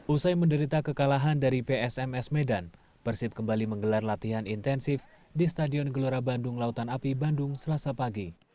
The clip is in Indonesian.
usai menderita kekalahan dari psms medan persib kembali menggelar latihan intensif di stadion gelora bandung lautan api bandung selasa pagi